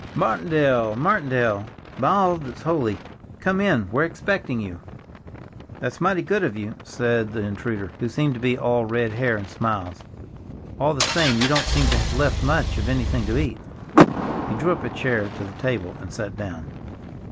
"Martindale! Martindale, by all that's holy! Come in, we're expecting you." "That's mighty good of you," said the intruder, who seemed to be all red hair and smiles. "All the same, you don't seem to have left me much of anything to eat." He drew up a chair to the table and sat down.